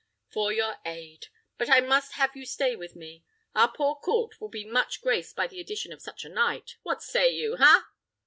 for your aid. But I must have you stay with me. Our poor court will be much graced by the addition of such a knight. What say you? ha!"